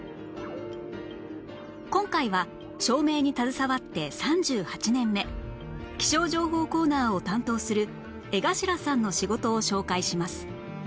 今回は照明に携わって３８年目気象情報コーナーを担当する江頭さんの仕事を紹介します